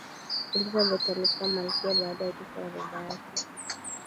elizabeth alikuwa malkia baada ya kifo cha dada yake